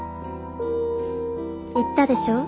言ったでしょ？